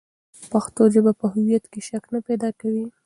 پښتو ژبه په هویت کې شک نه پیدا کوي.